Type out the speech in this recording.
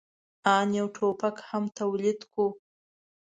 آن یو ټوپک هم تولید کړو.